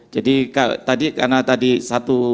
jadi tadi karena tadi satu